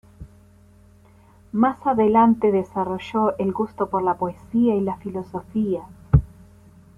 Más adelante desarrolló el gusto por la poesía y la filosofía.